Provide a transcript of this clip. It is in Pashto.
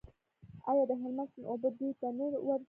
آیا د هلمند سیند اوبه دوی ته نه ورځي؟